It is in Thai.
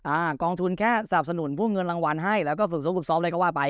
กองทุนแค่สนับสนุนพวกเงินรางวัลให้แล้วก็ฝึกสู้ฝึกซ้อมเลยก็ว่าไป